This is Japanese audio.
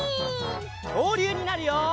きょうりゅうになるよ！